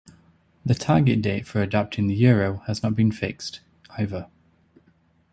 The target date for adapting the Euro has not been fixed, either.